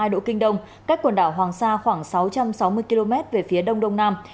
một trăm một mươi tám hai độ kinh đông cách quần đảo hoàng sa khoảng sáu trăm sáu mươi km về phía đông đông nam